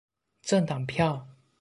政黨票